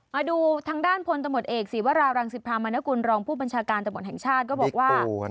มาดูทางด้านพลตะหมดเอกศรีวราวรังศิภามานกุลรองค์ผู้บัญชาการตะหมดแห่งชาติก็บอกว่า